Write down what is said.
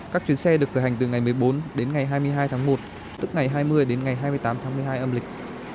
các chuyến xe được khởi hành từ ngày một mươi bốn đến ngày hai mươi hai tháng một tức ngày hai mươi đến ngày hai mươi tám tháng một mươi hai âm lịch